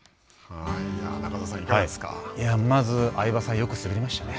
まず、相葉さんよく滑りましたね。